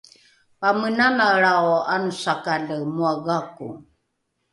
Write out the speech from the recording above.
pamenanaelrao ’anosakale moa gako